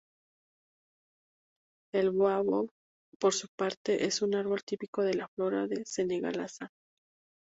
El baobab, por su parte, es un árbol típico de la flora senegalesa.